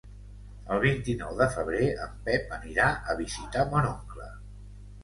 El vint-i-nou de febrer en Pep anirà a visitar mon oncle.